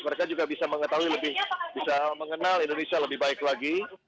mereka juga bisa mengetahui lebih bisa mengenal indonesia lebih baik lagi